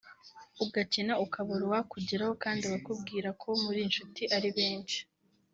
ugakena ukabura uwakugeraho kandi abakubwira ko muri inshuti ari benshi